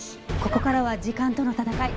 ここからは時間との闘い。